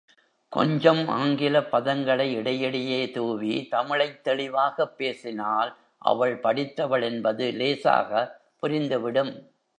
கொஞ்சம் ஆங்கில பதங்களை இடையிடையே தூவி தமிழைத் தெளிவாகப் பேசினால் அவள் படித்தவள் என்பது லேசாக புரிந்துவிடும்.